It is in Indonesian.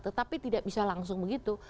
tetapi tidak bisa langsung begitu